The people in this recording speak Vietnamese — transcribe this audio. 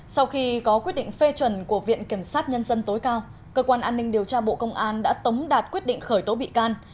sau khi có quyết định phê chuẩn của viện kiểm sát nhân dân tối cao cơ quan an ninh điều tra bộ công an đã tống đạt quyết định khởi tố bị can